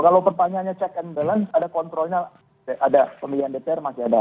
kalau pertanyaannya check and balance ada kontrolnya ada pemilihan dpr masih ada